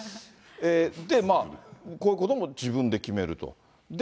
こういうことも自分で決めると。